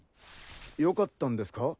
よかったんですか？